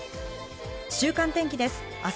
週間天気です。